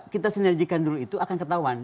kita sinerjikan dulu itu akan ketahuan